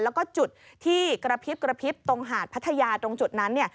แล้วก็จุดที่กระพริบกระพริบตรงหาดพัทยาตรงจุดนั้น